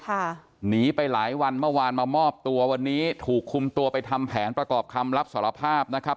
หนีไปหลายวันเมื่อวานมามอบตัววันนี้ถูกคุมตัวไปทำแผนประกอบคำรับสารภาพนะครับ